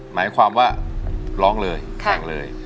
หมายความว่าร้องเลยแข่งเลย